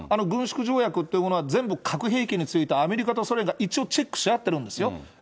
軍縮条約というものは、全部核兵器についてアメリカとソ連が一応チェックし合ってるんですよ。